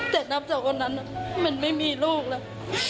แต่นับจากวันนั้นมันไม่มีลูกแล้ว